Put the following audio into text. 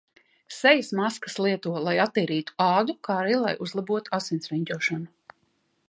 Sejas maskas lieto, lai attīrītu ādu, kā arī lai uzlabotu asinsriņķošanu.